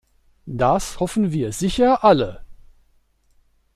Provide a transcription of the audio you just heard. Das hoffen wir sicher alle.